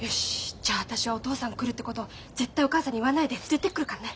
じゃ私はお父さんが来るってこと絶対お母さんに言わないで連れてくるからね。